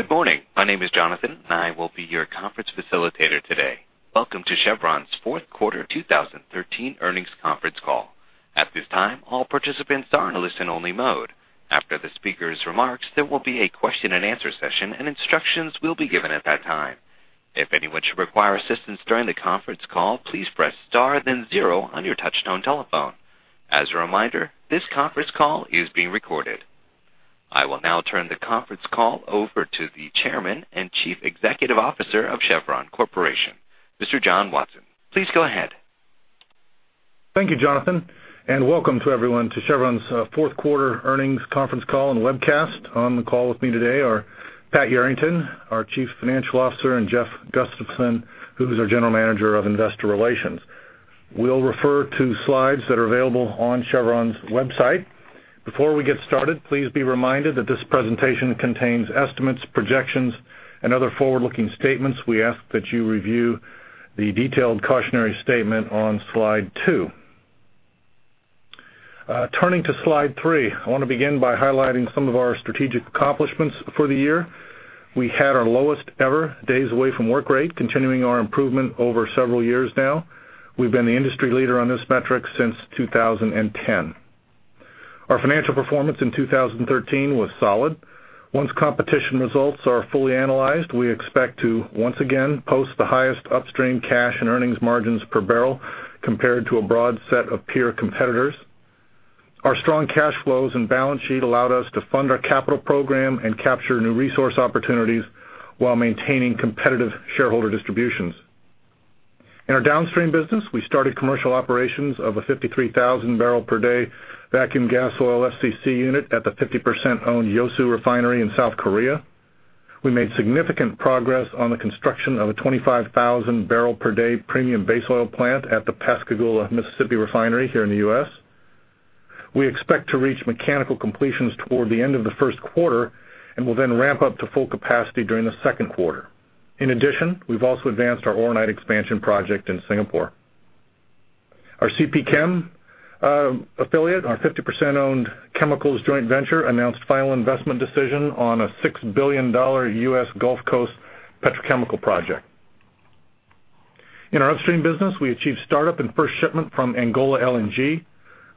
Good morning. My name is Jonathan, and I will be your conference facilitator today. Welcome to Chevron's fourth quarter 2013 earnings conference call. At this time, all participants are in a listen-only mode. After the speaker's remarks, there will be a question and answer session and instructions will be given at that time. If anyone should require assistance during the conference call, please press star then zero on your touch-tone telephone. As a reminder, this conference call is being recorded. I will now turn the conference call over to the Chairman and Chief Executive Officer of Chevron Corporation, Mr. John Watson. Please go ahead. Thank you, Jonathan, welcome to everyone to Chevron's fourth quarter earnings conference call and webcast. On the call with me today are Pat Yarrington, our Chief Financial Officer, and Jeff Gustavson, who is our General Manager of Investor Relations. We'll refer to slides that are available on Chevron's website. Before we get started, please be reminded that this presentation contains estimates, projections, and other forward-looking statements. We ask that you review the detailed cautionary statement on Slide two. Turning to Slide three, I want to begin by highlighting some of our strategic accomplishments for the year. We had our lowest-ever days away from work rate, continuing our improvement over several years now. We've been the industry leader on this metric since 2010. Our financial performance in 2013 was solid. Once competition results are fully analyzed, we expect to once again post the highest upstream cash and earnings margins per barrel compared to a broad set of peer competitors. Our strong cash flows and balance sheet allowed us to fund our capital program and capture new resource opportunities while maintaining competitive shareholder distributions. In our downstream business, we started commercial operations of a 53,000 barrel per day vacuum gas oil FCC unit at the 50%-owned Yeosu Refinery in South Korea. We made significant progress on the construction of a 25,000 barrel per day premium base oil plant at the Pascagoula Mississippi Refinery here in the U.S. We expect to reach mechanical completions toward the end of the first quarter and will then ramp up to full capacity during the second quarter. In addition, we've also advanced our Oronite expansion project in Singapore. Our CP Chem affiliate, our 50%-owned chemicals joint venture, announced final investment decision on a $6 billion U.S. Gulf Coast petrochemical project. In our upstream business, we achieved startup and first shipment from Angola LNG.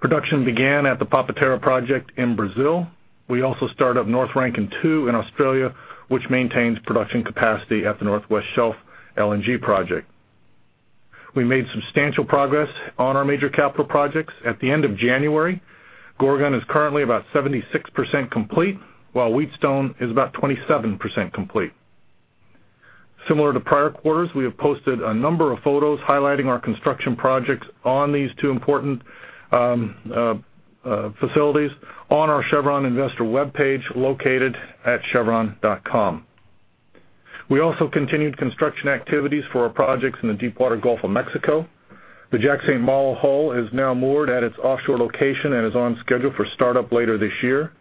Production began at the Papa-Terra project in Brazil. We also start up North Rankin 2 in Australia, which maintains production capacity at the Northwest Shelf LNG project. We made substantial progress on our major capital projects. At the end of January, Gorgon is currently about 76% complete, while Wheatstone is about 27% complete. Similar to prior quarters, we have posted a number of photos highlighting our construction projects on these two important facilities on our Chevron investor webpage located at chevron.com. We also continued construction activities for our projects in the deepwater Gulf of Mexico. The Jack/St. Malo hull is now moored at its offshore location and is on schedule for startup later this year.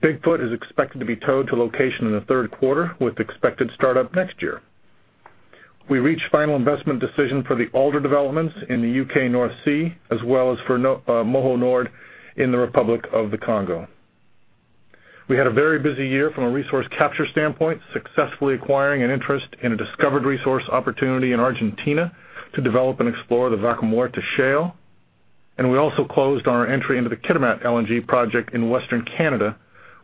Big Foot is expected to be towed to location in the third quarter with expected startup next year. We reached final investment decision for the Alder developments in the U.K. North Sea as well as for Moho Nord in the Republic of the Congo. We had a very busy year from a resource capture standpoint, successfully acquiring an interest in a discovered resource opportunity in Argentina to develop and explore the Vaca Muerta shale. We also closed our entry into the Kitimat LNG project in Western Canada,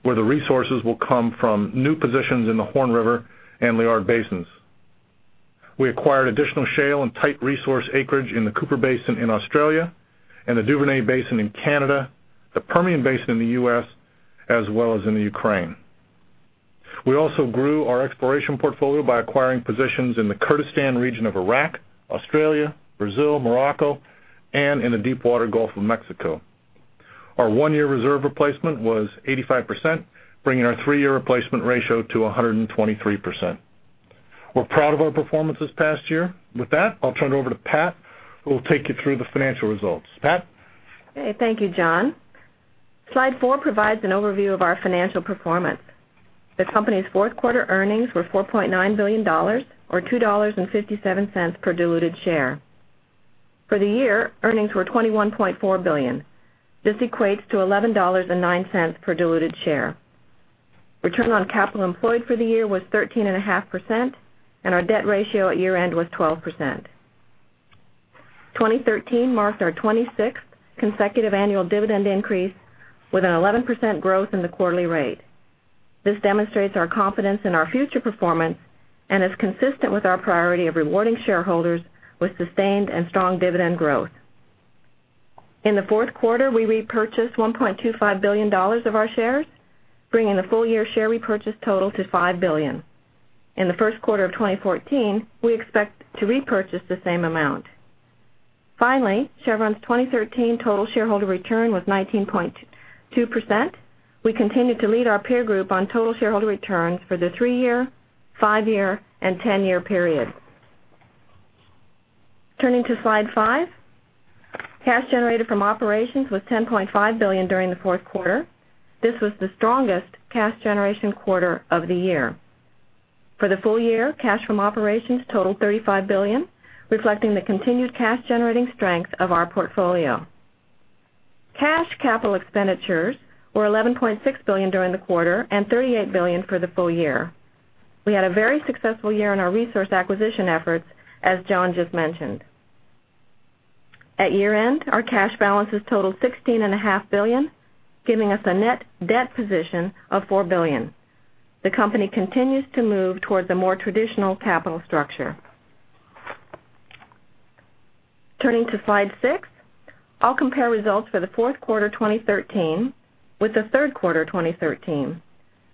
where the resources will come from new positions in the Horn River and Liard Basins. We acquired additional shale and tight resource acreage in the Cooper Basin in Australia and the Duvernay Basin in Canada, the Permian Basin in the U.S., as well as in the Ukraine. We also grew our exploration portfolio by acquiring positions in the Kurdistan region of Iraq, Australia, Brazil, Morocco, and in the deepwater Gulf of Mexico. Our one-year reserve replacement was 85%, bringing our three-year replacement ratio to 123%. We're proud of our performance this past year. With that, I'll turn it over to Pat, who will take you through the financial results. Pat? Okay. Thank you, John. Slide four provides an overview of our financial performance. The company's fourth quarter earnings were $4.9 billion, or $2.57 per diluted share. For the year, earnings were $21.4 billion. This equates to $11.09 per diluted share. Return on capital employed for the year was 13.5%, and our debt ratio at year-end was 12%. 2013 marked our 26th consecutive annual dividend increase with an 11% growth in the quarterly rate. This demonstrates our confidence in our future performance and is consistent with our priority of rewarding shareholders with sustained and strong dividend growth. In the fourth quarter, we repurchased $1.25 billion of our shares, bringing the full-year share repurchase total to $5 billion. In the first quarter of 2014, we expect to repurchase the same amount. Finally, Chevron's 2013 total shareholder return was 19.2%. We continue to lead our peer group on total shareholder returns for the three-year, five-year, and 10-year period. Turning to Slide five, cash generated from operations was $10.5 billion during the fourth quarter. This was the strongest cash generation quarter of the year. For the full year, cash from operations totaled $35 billion, reflecting the continued cash-generating strength of our portfolio. Cash capital expenditures were $11.6 billion during the quarter and $38 billion for the full year. We had a very successful year in our resource acquisition efforts, as John just mentioned. At year-end, our cash balances totaled $16.5 billion, giving us a net debt position of $4 billion. The company continues to move towards a more traditional capital structure. Turning to Slide six, I'll compare results for the fourth quarter 2013 with the third quarter 2013.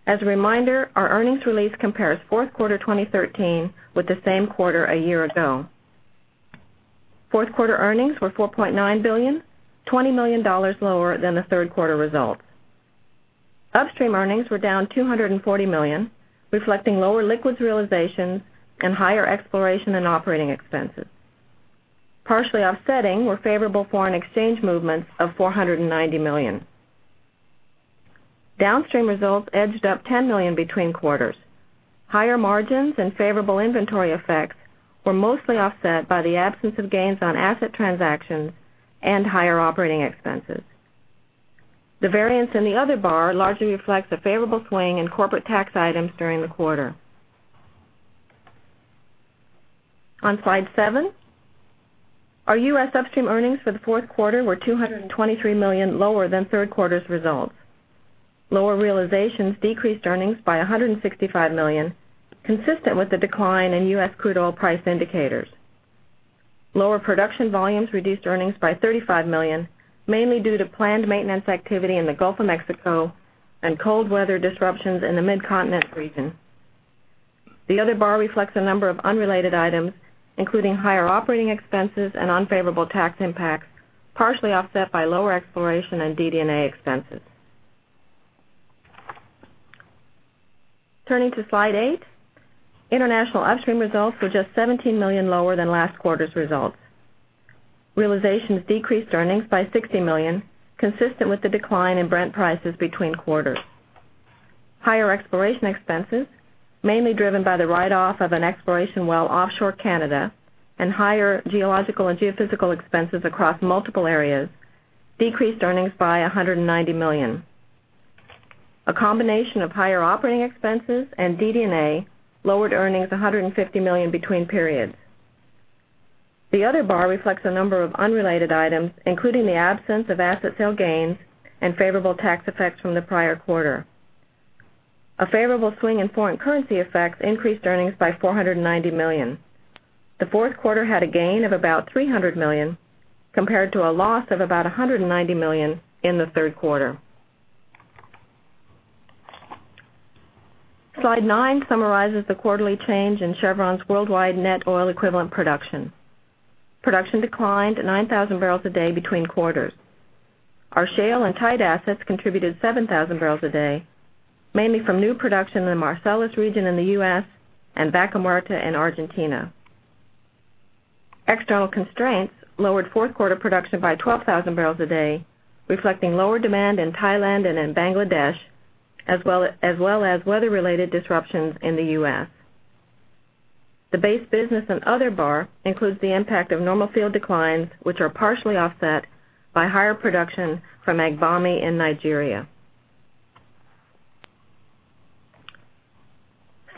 As a reminder, our earnings release compares fourth quarter 2013 with the same quarter a year ago. Fourth quarter earnings were $4.9 billion, $20 million lower than the third quarter results. Upstream earnings were down $240 million, reflecting lower liquids realizations and higher exploration and operating expenses. Partially offsetting were favorable foreign exchange movements of $490 million. Downstream results edged up $10 million between quarters. Higher margins and favorable inventory effects were mostly offset by the absence of gains on asset transactions and higher operating expenses. The variance in the other bar largely reflects a favorable swing in corporate tax items during the quarter. On slide seven, our U.S. upstream earnings for the fourth quarter were $223 million lower than third quarter's results. Lower realizations decreased earnings by $165 million, consistent with the decline in U.S. crude oil price indicators. Lower production volumes reduced earnings by $35 million, mainly due to planned maintenance activity in the Gulf of Mexico and cold weather disruptions in the Mid-Continent region. The other bar reflects a number of unrelated items, including higher operating expenses and unfavorable tax impacts, partially offset by lower exploration and DD&A expenses. Turning to slide eight, international upstream results were just $17 million lower than last quarter's results. Realizations decreased earnings by $60 million, consistent with the decline in Brent prices between quarters. Higher exploration expenses, mainly driven by the write-off of an exploration well offshore Canada and higher geological and geophysical expenses across multiple areas, decreased earnings by $190 million. A combination of higher operating expenses and DD&A lowered earnings $150 million between periods. The other bar reflects a number of unrelated items, including the absence of asset sale gains and favorable tax effects from the prior quarter. A favorable swing in foreign currency effects increased earnings by $490 million. The fourth quarter had a gain of about $300 million compared to a loss of about $190 million in the third quarter. Slide nine summarizes the quarterly change in Chevron's worldwide net oil equivalent production. Production declined 9,000 barrels a day between quarters. Our shale and tight assets contributed 7,000 barrels a day, mainly from new production in the Marcellus region in the U.S. and Vaca Muerta in Argentina. External constraints lowered fourth-quarter production by 12,000 barrels a day, reflecting lower demand in Thailand and in Bangladesh, as well as weather-related disruptions in the U.S. The base business and other bar includes the impact of normal field declines, which are partially offset by higher production from Agbami in Nigeria.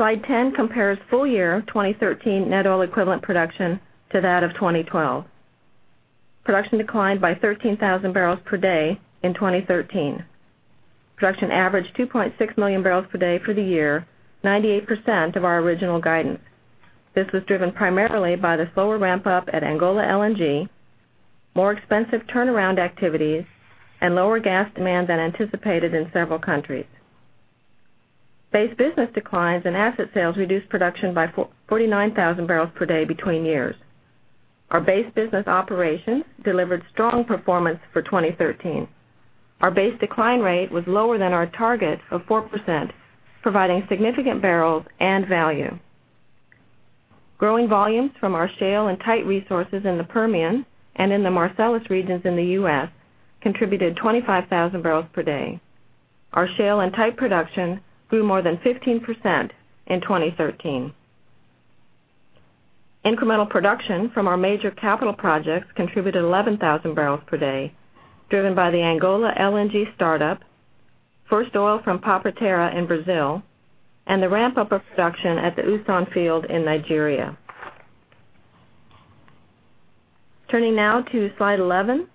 Slide 10 compares full-year 2013 net oil equivalent production to that of 2012. Production declined by 13,000 barrels per day in 2013. Production averaged 2.6 million barrels per day for the year, 98% of our original guidance. This was driven primarily by the slower ramp-up at Angola LNG, more expensive turnaround activities, and lower gas demand than anticipated in several countries. Base business declines and asset sales reduced production by 49,000 barrels per day between years. Our base business operations delivered strong performance for 2013. Our base decline rate was lower than our target of 4%, providing significant barrels and value. Growing volumes from our shale and tight resources in the Permian and in the Marcellus regions in the U.S. contributed 25,000 barrels per day. Our shale and tight production grew more than 15% in 2013. Incremental production from our major capital projects contributed 11,000 barrels per day, driven by the Angola LNG startup, first oil from Papa-Terra in Brazil, and the ramp-up of production at the Usan field in Nigeria. Turning now to slide 11.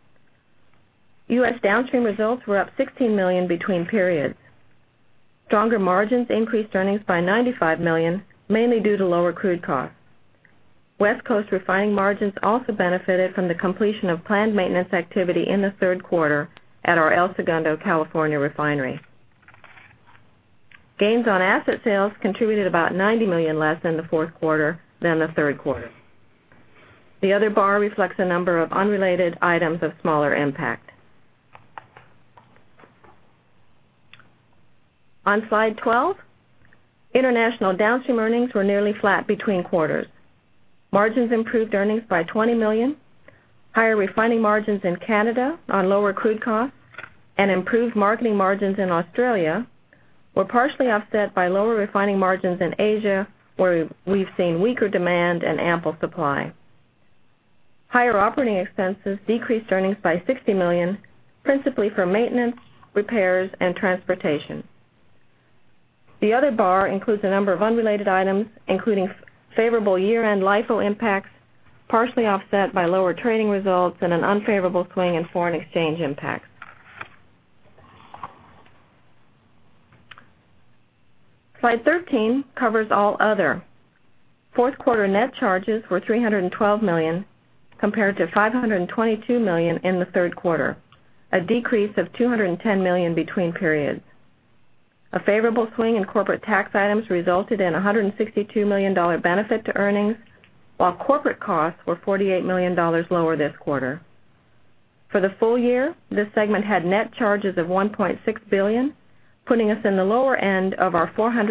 U.S. downstream results were up $16 million between periods. Stronger margins increased earnings by $95 million, mainly due to lower crude costs. West Coast refining margins also benefited from the completion of planned maintenance activity in the third quarter at our El Segundo, California refinery. Gains on asset sales contributed about $90 million less in the fourth quarter than the third quarter. The other bar reflects a number of unrelated items of smaller impact. On slide 12, international downstream earnings were nearly flat between quarters. Margins improved earnings by $20 million. Higher refining margins in Canada on lower crude costs and improved marketing margins in Australia were partially offset by lower refining margins in Asia, where we've seen weaker demand and ample supply. Higher operating expenses decreased earnings by $60 million, principally for maintenance, repairs, and transportation. The other bar includes a number of unrelated items, including favorable year-end LIFO impacts, partially offset by lower trading results and an unfavorable swing in foreign exchange impacts. Slide 13 covers all other. Fourth-quarter net charges were $312 million compared to $522 million in the third quarter, a decrease of $210 million between periods. A favorable swing in corporate tax items resulted in $162 million benefit to earnings, while corporate costs were $48 million lower this quarter. For the full year, this segment had net charges of $1.6 billion, putting us in the lower end of our $400-